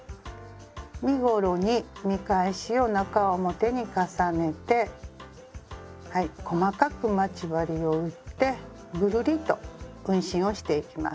身ごろに見返しを中表に重ねてはい細かく待ち針を打ってぐるりと運針をしていきます。